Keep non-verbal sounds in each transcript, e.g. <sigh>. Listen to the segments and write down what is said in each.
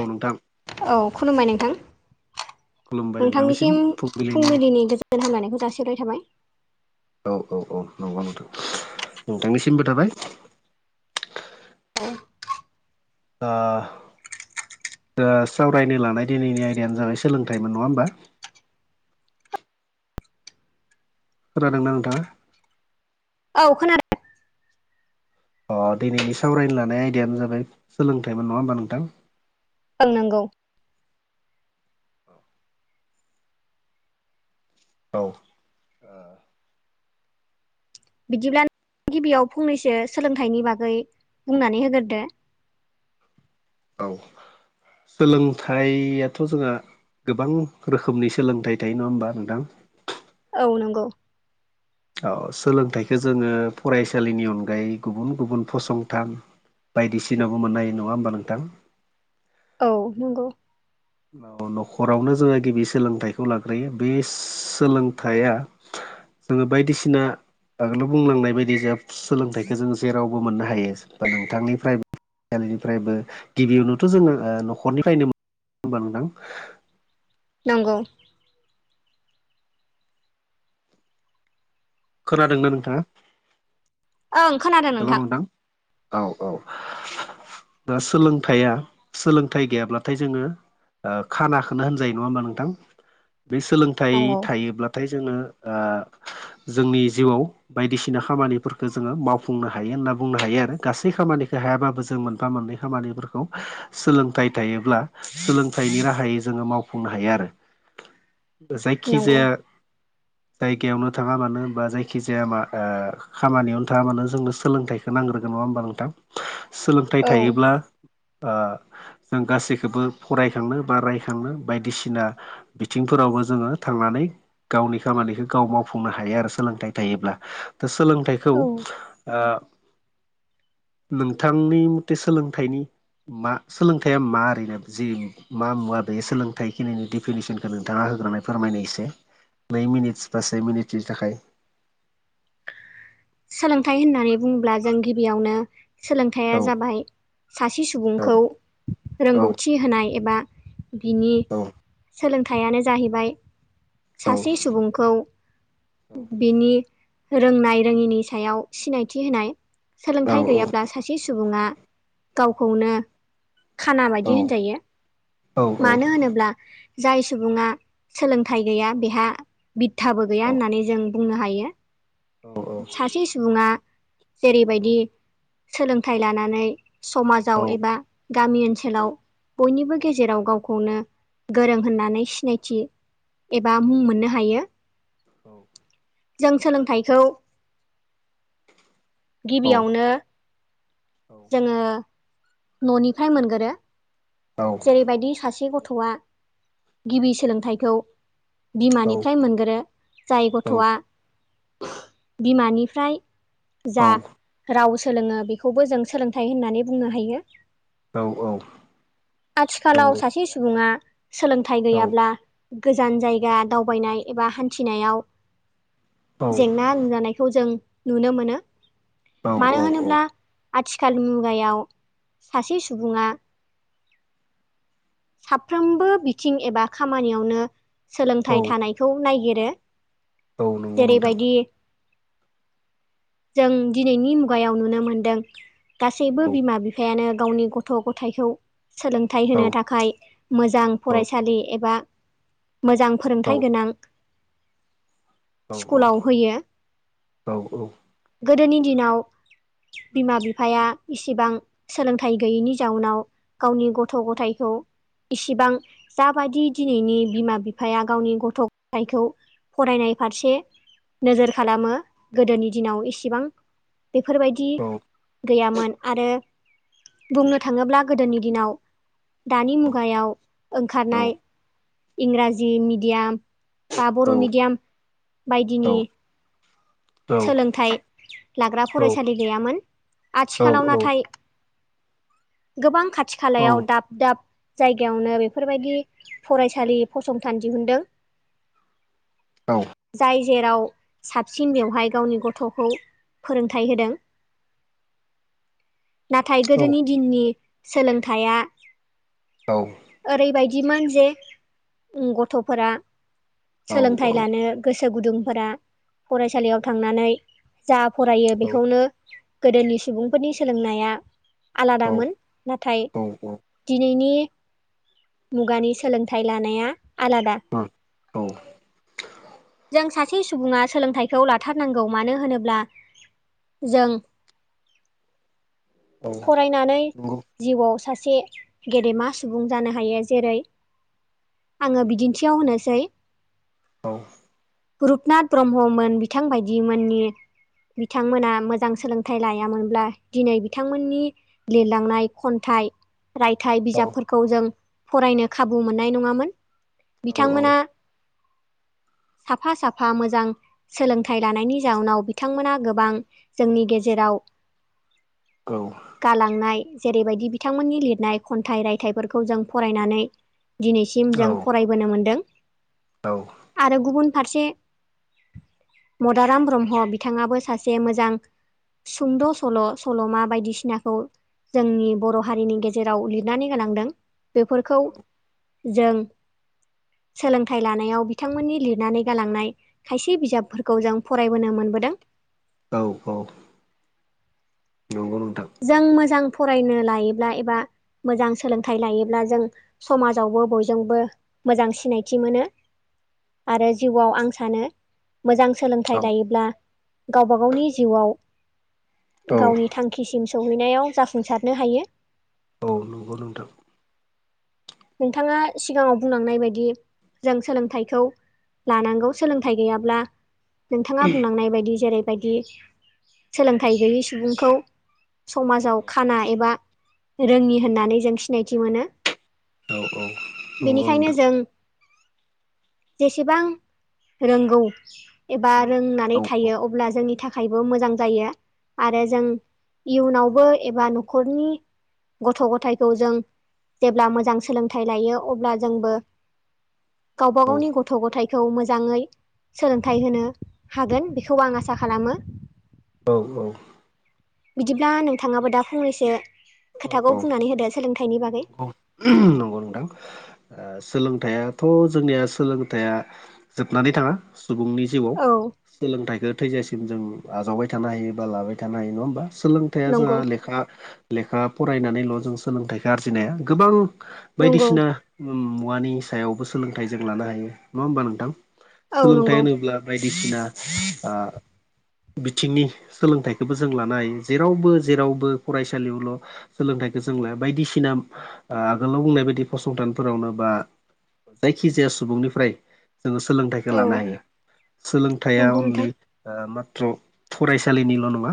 औ नोंथां। औ खुलुमबाय नोंथां। नोंथांनिसिम फुंबिलिनि गोजोन हामलायनायखौ जासिहरनाय थाबाय। औ औ औ नंगौ नोंथां। नोंथांनिसिमबो थाबाय। औ। ओ दा सावरायनो लानाय दिनैनि आयदायानो जाबाय सोलोंथाइमोन नङा होमबा? खोनादों ना नोंथाङा? औ खोनादों। अ दिनैनि सावरायनो लानाय आयदायानो जाबाय सोलोंथाइमोन नङा होमबा नोंथां? ओं नोंगौ। औ। ओ बिदिब्ला गिबियाव फंनैसो सोलोंथाइनि बागै बुंनानै होगोरदो। औ। सोलोंथाइयाथ' जोंहा गोबां रोखोमनि सोलोंथाइ थायो नङा होमबा नोंथां? औ नंगौ। औ सोलोंथाइखौ जोङो फरायसालिनि अनगायै गुबुन गुबुन फसंथान बायदिसिनायावबो मोननो हायो नङा होमबा नोंथां? औ नंगौ। औ न'खरावनो जोङो गिबि सोलोंथाइखौ लाग्रोयो बि सोलोंथाइया जोङो बायदिसिना आगोलाव बुंलांनाय बायदि जा सोलोंथाइखौ जोङो जेराव बो मोननो हायो बा नोंथांनिफ्राय निफ्रायबो गिबियावनोथ' जोङो आ न'खरनिफ्रायनो मो होमबा नोंथां नंगौ। खोनादोंना नोंथाङा? ओं खोनादों नोंथां। औ औ। दा सोलोंथाइया, सोलोंथाइ गैयाब्लाथाय जोङो खानाखौनो होनजायो नङा होमबा नोंथां? बे सोलोंथाइ नंगौ थायोब्ला थाय जोङो ओ जोंनि जिउआव बायदिसिना खामानिफोरखौ जोङो माव मावफुंनो हायो होनना बुंनो हायो आरो। गासै खामानिखौ हायाबाबो जों मोनफा मोननै खामानिफोरखौ। सोलोंथाइ थायोब्ला सोलोंथाइनि राहायै जोङो मावफुंनो हायो आरो। नंगौ जायखिजाया जायगायावनो थाङा मानो बा जायखि जाया मा आ खामानियावनो थाङा मानो जोंनो सोलोंथाइखौ नांग्रोगोन नङा होमबा नोंथां? सोलोंथाइ औ थायोब्ला आ जों गासैखौबो फरायखांनो बा रायखांनो बायदिसिना बिथिंफोरावबो जोङो थांनानै गावनि खामानिखौ गाव मावफुंनो हायो आरो सोलोंथाइ थायोब्ला। दा सोलोंथाइखौ औ ओ नोंथांनि मथे सोलोंथाइनि मा सोलोंथाइया मा ओैरैनो जे मा मुवा बे सोलोंथाइ खिनि डिफिनिसनखौ नोंथाङा होग्रोना फोरमायनाय इसे। नै मिनिट बा से मिनिट नि थाखाय सोलोंथाइ होननानै बुङोब्ला जों गिबियावनो सोलोंथाइया औ जाबाय सासे औ सुबुंखौ औ रोंगौथि होनाय एबा बिनि औ सोलोंथायाइयानो जाहैबाय सासे सुबुंखौ बिनि रोंनाय रोङिनि सायाव सिनायथि होनाय औ सोलोंथाइ गैयाब्ला सासे सुबुङा गावखौनो खाना बायदि होनजायो। मानो होनोब्ला जाय सुबुङा सोलोंथाइ गैया बेहा बिध्दाबो गैया होननानै जों बुंनो हायो। औ सासे सुबुङा औ जेरैबायदि सोलोंथाइ लानानै समाजाव एबा गामि ओनसोलाव बयनिबो गेजेराव गावखौनो गोरों होननानै सिनायथि एबा मुं मोननो हायो जों सोलोंथाइखौ गिबियावनो जोङो न'निफ्राय मोनगोरो। बेबायदि सासे गथ'आ गिबि सोलोंथाइखौ बिमानिफ्राय मोनगोरो जाय गथ'आ बिमानिफ्राय जा राव सोलोङो बेखौबो जों सोलोंथाइ होननानै बुंनो हायो औ औ आथिखालाव नंगौ सासे सुबुङा सोलोंथाइ गैयाब्ला गोजान जायगा दावबायनाय एबा हान्थिनायाव <inaudible> जेंना नुजानायखौ जों नुनो मोनो। औ मानो होनोब्ला आथिखाल मुगायाव सासे सुबुङा साफ्रोमबो बिथिं एबा खामानियावनो औ सोलोंथाइ थानायखौ नायगिरो औ नंगौ नोंथां जेरैबायदि <inaudible> जों दिनैनि मुगायाव नुनो मोनदों गासैबो औ बिमा बिफायानो गावनि गथ' गथाइखौ सोलोंथाइ होनो औ थाखाय मोजां फरायसालि एबा मोजां औ फोरोंथाइ औ गोनां औ स्कुलाव होयो औ गोदोनि दिनाव बिमा बिफाया इसेबां सोलोंथाइ गैयैनि जाउनाव गावनि गथ' गथाइखौ इसिबां जाबादि दिनैनि बिमा बिफाया गावनि गथ' गथायखौ फरायनाय फारसे नोजोर खालामो गोदोनि दिनाव एसेबां बेफोरबायदि गैयामोन आरो बुंनो थाङोब्ला गोदोनि दिनाव दानि मुगायाव ओंखारनाय इंराजि मिडियाम बा बर' मिडियाम बायदिनि सोलोंथाइ लाग्रा फरायसालि गैयामोन। आथिखालाव नाथाय गोबां खाथि खालायाव दाब दाब जायगायावनो बेफोरबायदि फरायसालि फसंथान दिहुनदों। औ जाय जेराव साबसिन बेवहाय गावनि गथ'खौ फोरोंथाइ होदों। नाथाय गोदोनि दिननि सोलोंथाइया औ। ओरैबायदिमोन जे गथ'फोरा सोलोंथाइ लानो गोसो गुदुंफोरा फरायसालियाव थांनानै जा फरायो बेखौनो गोदोनि सुबुंफोरनि सोलोंनाया आलादामोन नाथाय औ दिनैनि मुगानि सोलोंथाइ लानाया आलादा जों सासे सुबुङा सोलोंथाइखौ लाथारनांगौ मानो होनोब्ला जों औ फरायनानै नंगौ औ जिउआव सासे गेदेमा सुबुं जानो हायो जेरै औ आङो बिदिन्थियाव होनोसै औ रुपनाथ ब्रह्ममोन बिथांबायदिमोननि बिथांमोना मोजां सोलोंथाइ लायामोनब्ला दिनै बिथांमोननि लिरलांनाय खन्थाइ रायथाइ औ बिजाबफोरखौ जों फरायनो खाबु मोननाय नङामोन बिथांमोना साफा साफा मोजां सोलोंथाइ लानायनि जाउनाव बिथांमोना गोबां जोंनि गेजेराव औ। गालांनाय जेरैबायदि बिथांमोननि लिरनाय खन्थाइ रायथाइफोरखौ जों फरायनानै दिनैसिम जों फरायबोनो मोनदों। औ। आरो गुबुन फारसे मदाराम ब्रह्म बिथाङाबो सासे मोजां सुंद' सल' सल'मा बायदिसिनाखौ जोंनि बर' हारिनि गेजेराव लिरनानै गालांदों बेफोरखौ जों सोलोंथाइ लानायाव बिथांमोननि लिरनानै गालांनाय खायसे बिजाबफोरखौ जों फरायबोनो मोनबोदों। औ औ। नंगौ नोंथां। जों मोजां फरायनो लायोब्ला एबा मोजां सोलोंथाइ लायोब्ला जों समाजावबो बयजोंबो मोजां सिनायथि मोनो। आरो जिउआव आं सानो मोजां औ सोलोंथाइ लायोब्ला गावबा गावनि जिउआव औ गावनि थांखिसिम सौहैनायाव जाफुंसारनो हायो। औ नंगौ नोंथां। नोंथाङा सिगाङाव बुंलांनाय बायदि जों सोलोंथाइखौ लानांगौ सोलोंथाइ गैयाब्ला नोंथाङा बुंलांनाय बायदि जेरैबायदि सोलोंथाइ गैयै सुबुंखौ समाजाव खाना एबा रोङि होननानै जों सिनायथि मोनो। औ औ। नंगौ बेनिखायनो नोंथां जों जेसेबां रोंगौ एबा औ रोंनानै औ थायो अब्ला जोंनि थाखायबो मोजां जायो आरो जों इयुनावबो एबा न'खरनि गथ' गथायखौ जों जेब्ला मोजां सोलोंथाइ लायो अब्ला जोंबो गावब गावनि गथ' गथाय खौ मोजाङै सोलोंथाइ होनो हागोन बेखौ आं आसा खालामो। औ औ। बिदिब्ला नोंथाङाबो दा फंनैसो औ खोथाखौ बुंनानै होदो सोलोंथाइनि बागै। उम नंगौ नोंथां। सोलोंथाइयाथ' जोंनिया सोलोंथाइया जोबनानै थाङा। सुबुंनि जिउआव औ सोलोंथाइखौ थैजासिम जों आजावबाय थानो हायो बा लाबाय थानो हायो नङा होमबा? सोलोंथाइया जोंहा नंगौ लेखा लेखा फरायनानैल' जों सोलोंथाइखौ आरजिनो हाया। गोबां नंगौ बायदिसिना उम मुवानि सायावबो सोलोंथाइ जों लानो हायो नङा होमबा नोंथां? औ नंगौ सोलोंथाइ होनोब्ला बायदिसिना आ बिथिंनि सोलोंथाइखौबो जों लानो हायो। जेरावबो जेरावबो फरायसालियावल' सोलोंथाइखौ जों लाया बायदिसिना आगोलाव बुंनाय बायदि फसंथानफोरावनो बा जायखिजाया सुबुंनिफ्राय जोङो सोलोंथाइखौ औ लानो हायो। सोलोंथाइया नंगौ नोंथां अनलि ओ माथ्र' फरायसालिनिल' नङा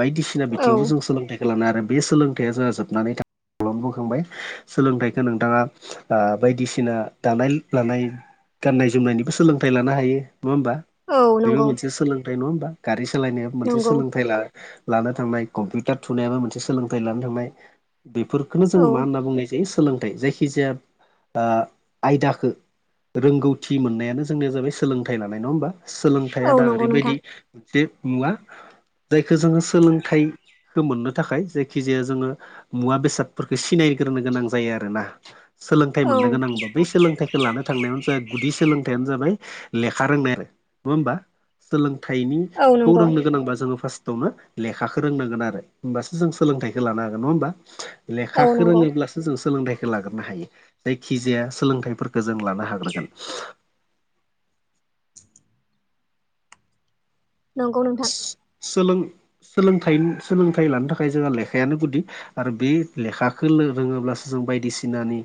बायदिसिना औ बिथिङावबो जों सोलोंथाइखौ लानो आरो बे सोलोंथाइया जोंहा जोबनानै थाङ खालामबोखांबाय सोलोंथाइखौ नोंथाङा बायदिसिना दानाय लुनाय गाननाय जोमनायनिबो सोलोंथाइ लानो हायो नङा होमबा? औ बेबो नंगौ मोनसे सोलोंथाइ नङा होमबा गारि सालायनाय मोनसे नंगौ सोलोंथाइ ला लानो थांनाय कम्पिउटार थुनायाबो मोनसे सोलोंथाइ लानो थांनाय। बेफोरफोरखौनो जों औ मा होनना बुंनाय जायो सोलोंथाइ। जायखिजाया ओ आयदाखौ रोंगौथि मोननायानो जोंनिया जाबाय सोलोंथाइ लानाय नङा होमबा? सोलोंथाइया औ दा नंगौ ओरैबायदि नोंथां मोनसे मुवा जायखौ जोङो सोलोंथाइखौ मोननो थाखाय जाय जायखिजाया जोङो मुवा बेसादफोरखौ सिनायग्रोनो गोनां जायो आरोना। सोलोंथाइ औ मोननो गोनांबा बै सोलोंथाइखौ लानो थांनायानो जाय गुदि सोलोंथाइयानो जाबाय लेखा रोंनाय आरो। नङा होमबा? औ सोलोंथाइनिखौ नंगौ रोंनो गोनांबा जोङो फार्स्टआवनो लेखाखौ रोंनांगोन आरो। होमबासो जों सोलोंथाइखौ लानो हागोन। नङा होमबा? औ लेखाखौ नंगौ रोङोब्लासो जों सोलोंथाइखौ लाग्रोनो हायो। जायखिजाया सोलोंथाइफोरखौ जों लानो हाग्रोगोन। <inaudible> नंगौ नोंथां। सोलों- सोलोंथाइ सोलोंथाइ लानो थाखाय जोंहा लेखायानो गुदि। आरो बे लेखाखौ रोङोब्लासो जों बायदिसिनानि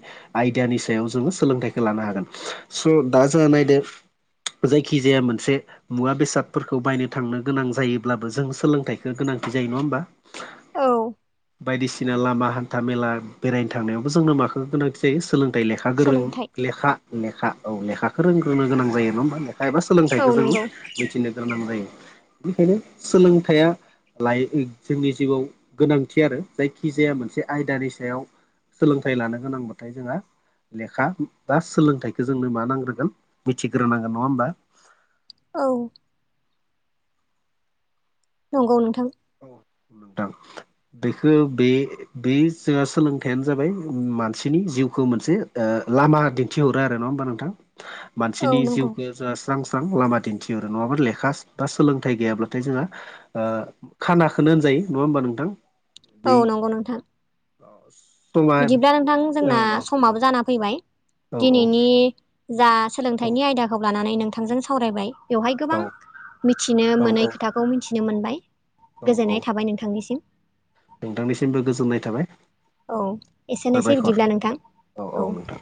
आयदानि सायाव जोङो सोलोंथाइखौ लानो हागोन। स' दा जोंहा नायदो जायखिजाया मोनसे मुवा बेसादफोरखौ बायनो थांनो गोनां जायोब्लाबो जों सोलोंथाइखौ गोनांथि जायो। नङा होमबा? औ बायदिसिना लामा हान्था- मेला बेरायनो थांनायावबो जोंनो माखौ गोनांथि सोलोंथाइ लेखा गोरों सोलोंथाइ लेखा लेखा औ लेखाखौ रोंग्रोनो गोनां जायो नङा होमबा? एबा औ सोलोंथाइखौ जों नंगौ मिथिनो गोनां जायो बेनिखायनो सोलोंथाइया लाइक जोंनि जिउआव गोनांथि आरो जायखिजाया मोनसे आयदानि सायाव सोलोंथाइ लानो गोनांबाथाय जोंहा लेखा बा सोलोंथाइखौ जोंनो मा नांग्रोगोन मिथिग्रोनांगोन नङा होमबा? औ नंगौ नोंथां। औ नोंथां। बेखौ बे बे जोंहा सोलोंथायआनो जाबाय मानसिनि जिउखौ मोनसे ओ लामा दिन थिहरो आरो नङा होमबा नोंथां औ मानसिनि नंगौ जिउखौ जोंहा स्रां स्रां लामा दिन्थिहरो नङाबा लेखा बा सोलोंथाइ गैयाब्लाथाय जोंहा ओ खानाखोनो होनजायो नङा होमबा नोंथां? औ नंगौ नोंथां। दस <unintelligible> बिदिब्ला नोंथां जोंना समाबो जाना फैबाय औ दिनैनि जा औ सोलोंथाइनि आयदाखौ लानानै नोंथांजों सावरायबाय बेवहाय गोबां मिथिनो औ मोनै खोथा खौ मिथिनो मोनबाय औ औ गोजोननाय थाबाय नोंथांनिसिम नोंथांनिसिमबो गोजोननाय थाबाय औ एसेनोसै साबायखर बिदिब्ला नोंथां औ औ नोंथां